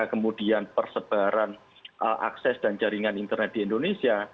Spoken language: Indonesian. kemudian persebaran akses dan jaringan internet di indonesia